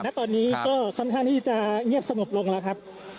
ณตอนนี้ก็ค่อนข้างที่จะเงียบสงบลงแล้วครับ